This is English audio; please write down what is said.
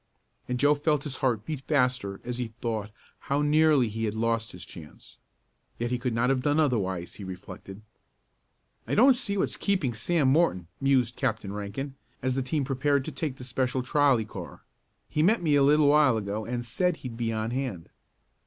And Joe felt his heart beat faster as he thought how nearly he had lost his chance. Yet he could not have done otherwise, he reflected. "I don't see what's keeping Sam Morton," mused Captain Rankin, as the team prepared to take the special trolley car. "He met me a little while ago and said he'd be on hand."